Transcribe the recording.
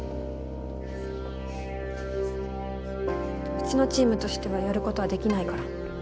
うちのチームとしてはやることはできないから。